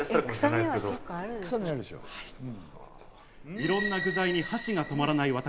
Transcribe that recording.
いろんな具材に箸が止まらない私。